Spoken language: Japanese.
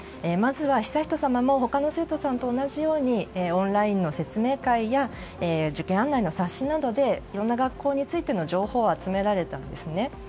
まずは悠仁さまも他の生徒さんと同じようにオンラインの説明会や受験案内の冊子などでいろんな学校についての情報を集められたんですね。